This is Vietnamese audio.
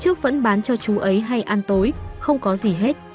trước vẫn bán cho chú ấy hay ăn tối không có gì hết